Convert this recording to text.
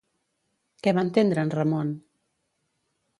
Què va entendre en Ramon?